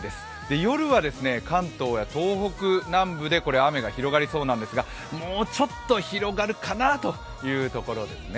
夜は関東や東北南部で雨が広がりそうなんですがもうちょっと広がるかなというところですね。